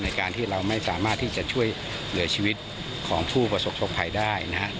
ในการที่เราไม่สามารถที่จะช่วยเหลือชีวิตของผู้ประสบชมภัยได้นะครับ